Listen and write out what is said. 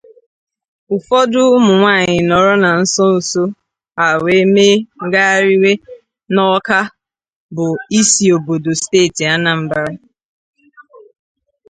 Ụfọdụ ụmụnwaanyị nọrọ na nsonso a wee mee ngagharịiwe n'Awka bụ isi obodo steeti Anambra